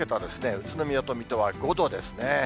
宇都宮と水戸は５度ですね。